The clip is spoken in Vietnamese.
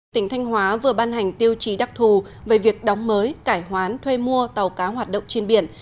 tỉnh thanh hóa vừa ban hành tiêu chí đặc thù về việc đóng mới cải hoán thuê mua tàu cá hoạt động trên biển